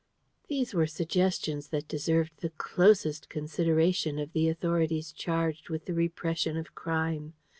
These were suggestions that deserved the closest consideration of the Authorities charged with the repression of crime.